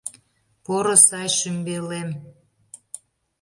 Поро сай шӱмбелем